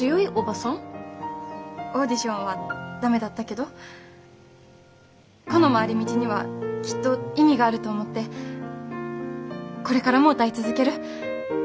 オーディションは駄目だったけどこの回り道にはきっと意味があると思ってこれからも歌い続ける。